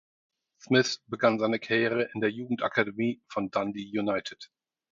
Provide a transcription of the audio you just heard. Smith begann seine Karriere in der Jugendakademie von Dundee United.